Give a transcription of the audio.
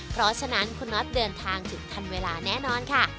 เพราะฉะนั้นคุณน็อตเดินทางถึงทันเวลาแน่นอนค่ะ